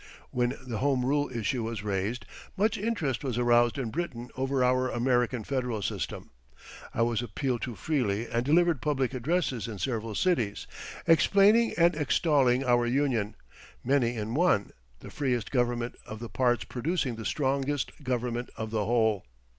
When the Home Rule issue was raised, much interest was aroused in Britain over our American Federal system. I was appealed to freely and delivered public addresses in several cities, explaining and extolling our union, many in one, the freest government of the parts producing the strongest government of the whole.